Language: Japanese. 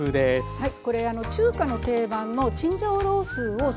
はい。